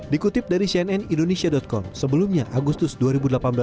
dikutip dari cnn indonesia com sebelumnya agustus dua ribu delapan belas